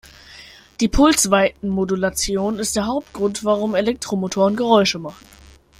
Die Pulsweitenmodulation ist der Hauptgrund, warum Elektromotoren Geräusche machen.